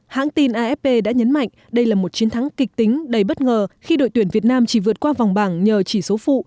hãng tin afp đã nhấn mạnh đây là một chiến thắng kịch tính đầy bất ngờ khi đội tuyển việt nam chỉ vượt qua vòng bảng nhờ chỉ số phụ